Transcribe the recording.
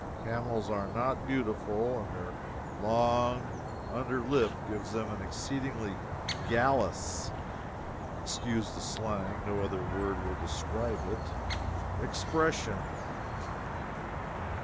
Camels are not beautiful, and their long under lip gives them an exceedingly "gallus" [Excuse the slang, no other word will describe it] expression.